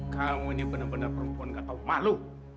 kamu ini bener bener perempuan gak tahu malu